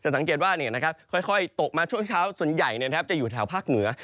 สังเกตว่าค่อยตกมาช่วงเช้าส่วนใหญ่จะอยู่แถวภาคเหนือ